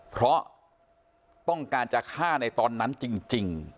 เพราะต้องการจะฆ่าในตอนนั้นจริง